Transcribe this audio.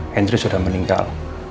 hendry sudah meninggal